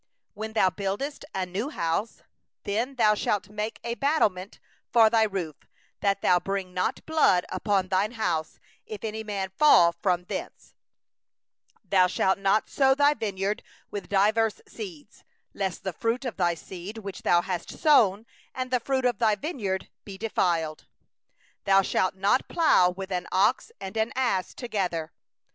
8When thou buildest a new house, then thou shalt make a parapet for thy roof, that thou bring not blood upon thy house, if any man fall from thence. 9Thou shalt not sow thy vineyard with two kinds of seed; lest the fulness of the seed which thou hast sown be forfeited together with the increase of the vineyard. 10Thou shalt not plow with an ox and an ass together.